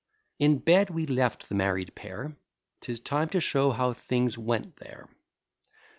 In bed we left the married pair; 'Tis time to show how things went there.